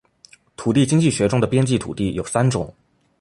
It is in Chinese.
土地经济学中的边际土地有三种